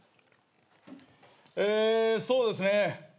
えそうですね。